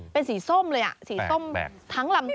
เป็นสีส้มเลยสีส้มทั้งลำตัว